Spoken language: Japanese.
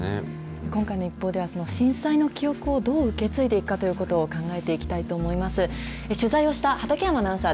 今回のＩＰＰＯＵでは、その震災の記憶をどう受け継いでいくかということを考えていきたいと思います。